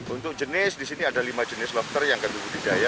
untuk jenis disini ada lima jenis lobster yang keduduk budidaya